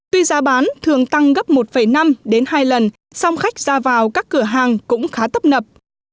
tuy giá bán thường tăng gấp một năm đến hai lần song khách ra vào các cửa hàng cũng khá tấp nập